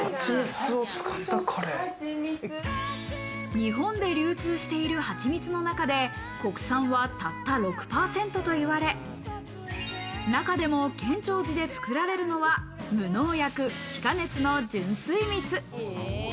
日本で流通している、はちみつの中で国産はたった６％といわれ、中でも建長寺で作られるのは無農薬、非加熱の純粋蜜。